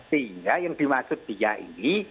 sehingga yang dimaksud dia ini